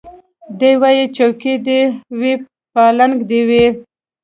دی وايي څوکۍ دي وي پالنګ دي وي